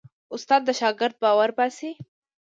استاد د شاګرد باور باسي.